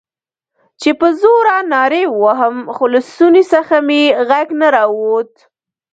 چې په زوره نارې ووهم، خو له ستوني څخه مې غږ نه راووت.